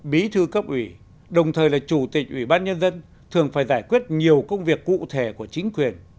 bí thư cấp ủy đồng thời là chủ tịch ủy ban nhân dân thường phải giải quyết nhiều công việc cụ thể của chính quyền